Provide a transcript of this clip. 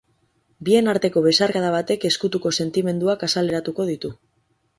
Bien arteko besarkada batek ezkutuko sentimenduak azaleratuko ditu.